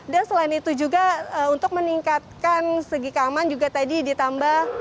dan selain itu juga untuk meningkatkan segi keamanan juga tadi ditambah